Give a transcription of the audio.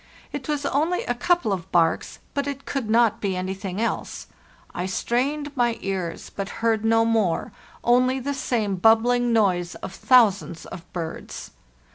It was only a couple of barks, but it could not be anything else. I strained my ears, but heard no more, only the same bubbling noise of thousands of birds.